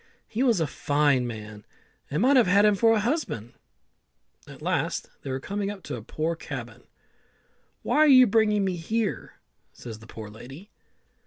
"He was a fine man, and I might have him for a husband." At last they were coming up to a poor cabin. "Why are you bringing me here?" says the poor lady.